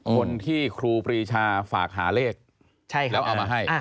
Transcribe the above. คนที่ครูปรีชาฝากหาเลขแล้วเอามาให้